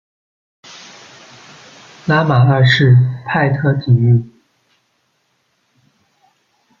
拉玛二世派他抵御。